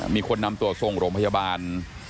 มีคนนำตัวส่งโรงพยาบาล